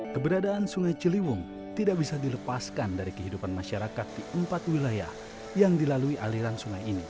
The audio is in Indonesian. keberadaan sungai ciliwung tidak bisa dilepaskan dari kehidupan masyarakat di empat wilayah yang dilalui aliran sungai ini